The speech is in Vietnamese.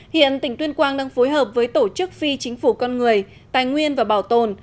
hiện tỉnh tuyên quang đang phối hợp với tổ chức phi chính phủ con người tài nguyên và bảo tồn